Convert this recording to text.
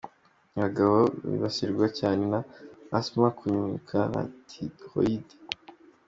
Nzeri: Abagabo bibasirwa cyane na Asthma, kunyunyuka na Thyroïde.